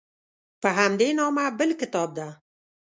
په همدې نامه بل کتاب ده.